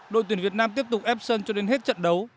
đội tuyển việt nam tiếp tục ép sân cho đến hết trận đấu